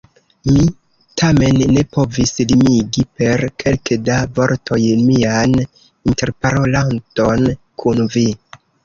Mi tamen ne povis limigi per kelke da vortoj mian interparoladon kun vi.